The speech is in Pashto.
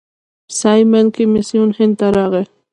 سایمن کمیسیون هند ته راغی.